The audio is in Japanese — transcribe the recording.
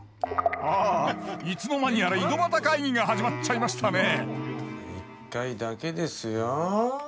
あいつの間にやら井戸端会議が始まっちゃいましたね一回だけですよ。